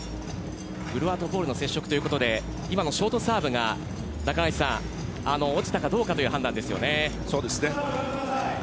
フロアとボールの接触ということで今のショートサーブが落ちたかどうかという判断です。